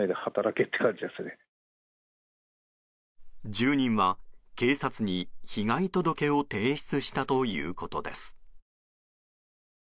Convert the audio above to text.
住人は警察に、被害届を提出したということです。